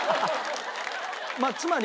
まあつまり。